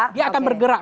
dia akan bergerak